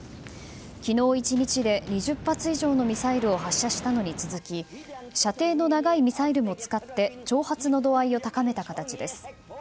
昨日１日で、２０発以上のミサイルを発射したのに続き射程の長いミサイルも使って挑発の度合いを高めた形です。